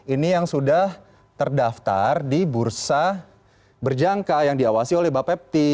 ini yang sudah terdaftar di bursa berjangka yang diawasi oleh bapepti